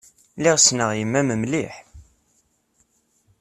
Lliɣ ssneɣ yemma-m mliḥ.